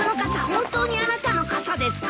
本当にあなたの傘ですか？